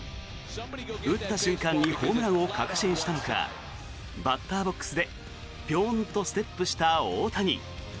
打った瞬間にホームランを確信したのかバッターボックスでピョンとステップした大谷。